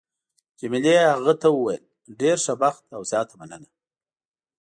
جميله هغه ته وویل: ډېر ښه بخت او زیاته مننه.